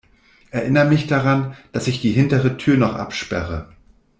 Erinner mich daran, dass ich die hintere Tür noch absperre.